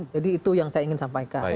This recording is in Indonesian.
jadi itu yang saya ingin sampaikan